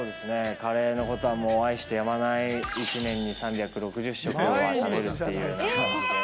カレーのことはもう愛してやまない、１年に３６０食は食べるっていうような感じで。